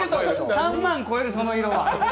３万超える、その色は。